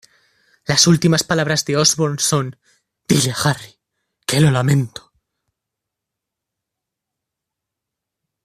Las últimas palabras de Osborn son, "Dile a Harry, que lo lamento.